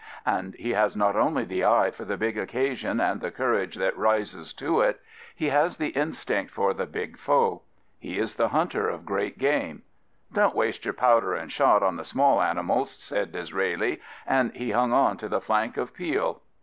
And he has not only the eye for the big occasion and the courage that rises to it : he has the instinct for the big foe. He is the hunter of great game. " Don't waste your powder and shot on the small animals," said Disraeli, and he hung on to the flank of Peel.